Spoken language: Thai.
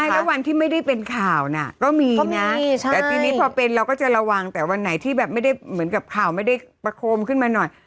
แล้ววันที่ไม่ได้เป็นข่าวน่ะก็มีแต่ทีนี้พอเป็นเราก็จะระวังแต่วันไหนที่แบบไม่ได้เหมือนกับข่าวไม่ได้ประโคมขึ้นมาหน่อย